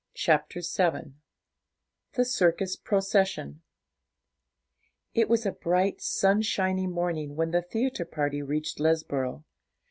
CHAPTER VII THE CIRCUS PROCESSION It was a bright, sunshiny morning when the theatre party reached Lesborough.